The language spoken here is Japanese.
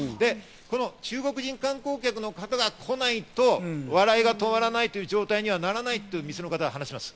この中国人観光客の方が来ないと笑いが止まらないという状態にはならないと店の方は話します。